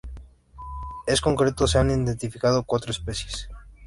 En concreto se han identificado cuatro especies.